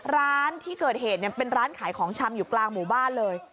ร้านที่เกิดเหตุเป็นร้านขายของชำอยู่กลางหมู่บ้านเลย